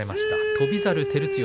翔猿、照強。